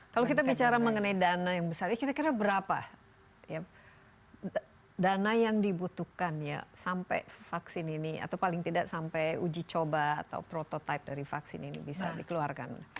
kalau kita bicara mengenai dana yang besar ini kira kira berapa dana yang dibutuhkan ya sampai vaksin ini atau paling tidak sampai uji coba atau prototipe dari vaksin ini bisa dikeluarkan